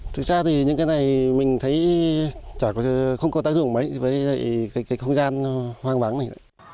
thực ra thì những cái này mình thấy không có tác dụng mấy với cái không gian hoang vắng này